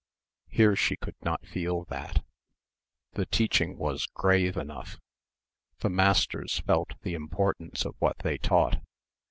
Here she could not feel that. The teaching was grave enough. The masters felt the importance of what they taught